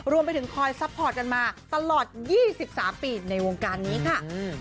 รวมไปถึงคอยซัพพอร์ตกันมาตลอด๒๓ปีในวงการนี้ค่ะ